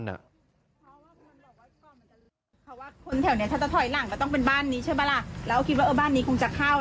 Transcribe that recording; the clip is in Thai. ใส่เถอะแล้วก็รีบวิ่งออกมา